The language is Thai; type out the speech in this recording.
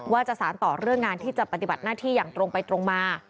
ว่าจะสารต่อเรื่องงานที่จะปฏิบัติหน้าที่อย่างตรงไปตรงมา